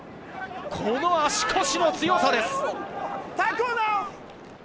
この足腰の強さです。